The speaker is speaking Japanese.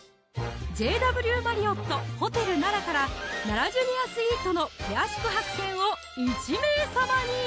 ＪＷマリオット・ホテル奈良から「ＮＡＲＡジュニアスイートのペア宿泊券」を１名様に！